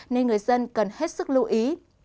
nên người dân cần hết sức lưu ý